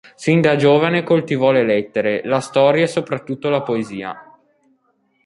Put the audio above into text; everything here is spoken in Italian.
Sin da giovane coltivò le lettere, la storia e soprattutto la poesia.